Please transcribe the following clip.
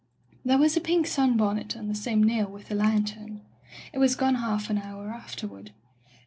There was a pink sunbonnet on the same nail with the lantern. It was gone half an hour afterward.